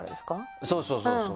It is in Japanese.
そうそうそうそう